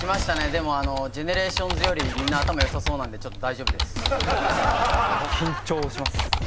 でもＧＥＮＥＲＡＴＩＯＮＳよりみんな頭良さそうなんで大丈夫です。